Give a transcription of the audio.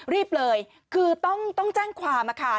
รีบเลยคือต้องแจ้งความค่ะ